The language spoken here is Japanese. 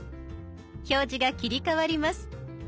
表示が切り替わります。